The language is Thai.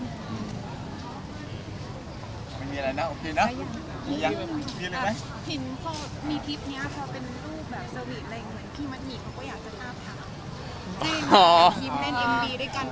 มีทริปแบบนี้ก็เป็นรูปแบบแบบพี่มันอยากจะถาม